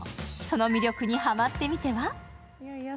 その魅力にハマってみては？